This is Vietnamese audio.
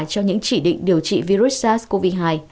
cho những chỉ định điều trị virus sars cov hai